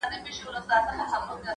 قدردانو کي مي ځان قدردان وینم,